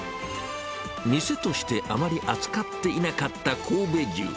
店としてあまり扱っていなかった神戸牛。